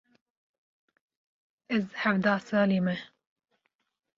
Ez hevdeh salî me.